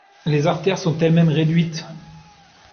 Les artères sont elles-mêmes réduites.